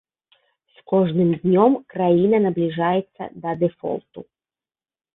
З кожным днём краіна набліжаецца да дэфолту.